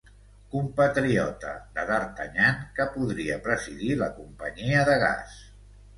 Compatriota de D'Artagnan que podria presidir la Companyia de Gas.